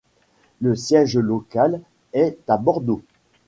Le siège local est à Bordeaux.